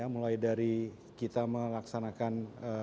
mulai dari kita melaksanakan